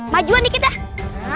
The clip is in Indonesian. majuan dikit dah